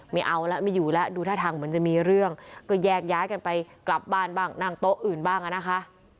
ไม่เอาแล้วไม่อยู่แล้วดูท่าทางเหมือนจะมีเรื่องก็แยกย้ายกันไปกลับบ้านบ้างนั่งโต๊ะอื่นบ้างอะนะคะ